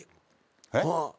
えっ？